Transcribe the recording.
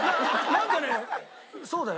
なんかねそうだよ！